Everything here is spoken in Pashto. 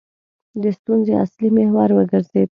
د ستونزې اصلي محور وګرځېد.